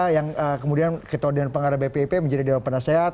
yang kemudian ketua undian pengarah bpip menjadi dewan pendas sehat